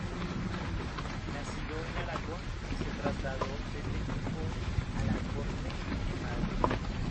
Nacido en Aragón se trasladó desde muy joven a la corte en Madrid.